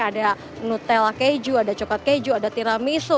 ada nutella keju ada coklat keju ada tiramiso